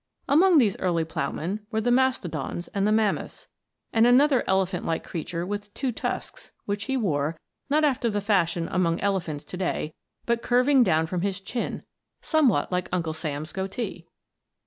Among these early ploughmen were the Mastodons and the Mammoths, and another elephant like creature with two tusks, that he wore, not after the fashion among elephants to day, but curving down from his chin, somewhat like Uncle Sam's goatee.